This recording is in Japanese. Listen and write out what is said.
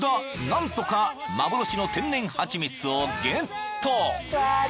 何とか幻の天然ハチミツをゲット］